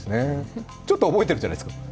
ちょっと覚えてるじゃないですか。